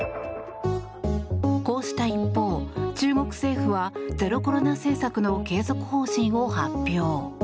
こうした一方、中国政府はゼロコロナ政策の継続方針を発表。